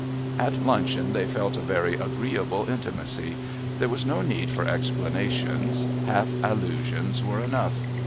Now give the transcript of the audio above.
At luncheon they felt a very agreeable intimacy. There was no need for explanations; half allusions were enough.